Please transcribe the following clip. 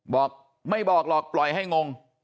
บอกไม่บอกหรอกปล่อยให้งง